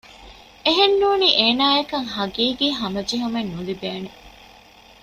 އެހެން ނޫނީ އޭނާއަކަށް ޙަޤީޤީ ހަމަޖެހުމެއް ނުލިބޭނެ